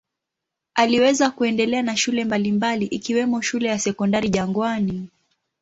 Aliweza kuendelea na shule mbalimbali ikiwemo shule ya Sekondari Jangwani.